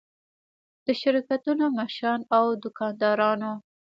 د شرکتونو مشرانو او دوکاندارانو.